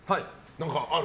何かある？